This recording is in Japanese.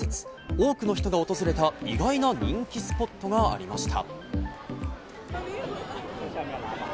多くの人が訪れた意外な人気スポットがありました。